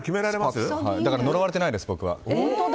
だから呪われてないです、僕は。